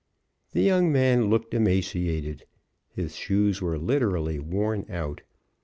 The young man looked emaciated, his shoes were literally worn out.